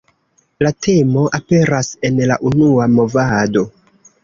La temo aperas en la unua movado.